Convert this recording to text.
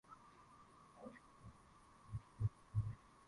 ya kuchanganywa kwa makabila ya Kituruki na idadi